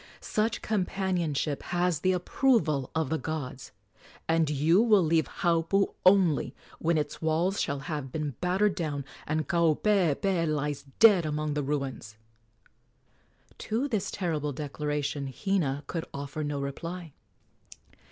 Such companionship has the approval of the gods, and you will leave Haupu only when its walls shall have been battered down and Kaupeepee lies dead among the ruins!" To this terrible declaration Hina could offer no reply.